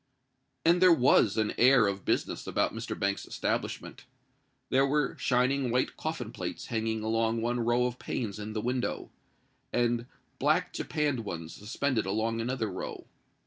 And there was an air of business about Mr. Banks's establishment. There were shining white coffin plates hanging along one row of panes in the window; and black japanned ones suspended along another row.